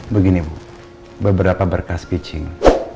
begini bu beberapa berkas pitching